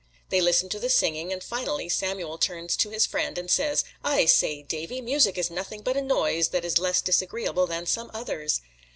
They listen to the singing, and finally Samuel turns to his friend and says, "I say, Davy, music is nothing but a noise that is less disagreeable than some others."